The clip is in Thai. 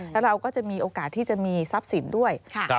แล้วเราก็จะมีโอกาสที่จะมีทรัพย์สินด้วย